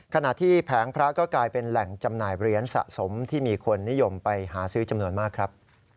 ขณะที่แผงพระก็กลายเป็นแหล่งจำหน่ายเหรียญสะสมที่มีคนนิยมไปหาซื้อจำนวนมากครับ